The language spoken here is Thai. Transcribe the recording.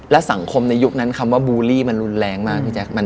และสังคมในยุคนั้นคำว่าบูลลี่มันรุนแรงมากพี่แจ๊ค